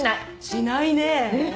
しないね！